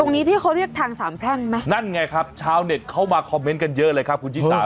ที่เขาเรียกทางสามแพร่งไหมนั่นไงครับชาวเน็ตเข้ามาคอมเมนต์กันเยอะเลยครับคุณชิสา